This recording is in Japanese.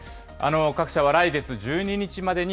各社は来月１２日までに、